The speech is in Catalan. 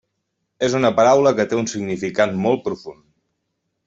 És una paraula que té un significat molt profund.